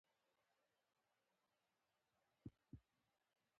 مسلکي والی د مدیریت له مهمو مهارتونو څخه دی.